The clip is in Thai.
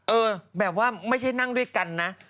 เออแบบว่าไม่ใช่นั่งด้วยกันนะ